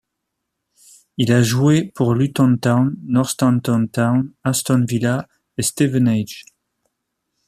Il a joué pour Luton Town, Northampton Town, Aston Villa et Stevenage.